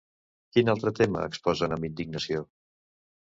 Quin altre tema exposen amb indignació?